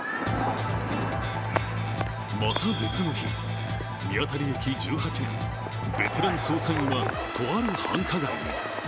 また別の日、見当たり歴１８年、ベテラン捜査員は、とある繁華街に。